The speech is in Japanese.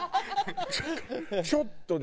ちょっとね